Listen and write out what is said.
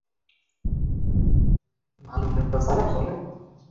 আচ্ছা, এটা খুব বিরক্তিকর!